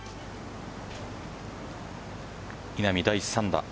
稲見、第３打。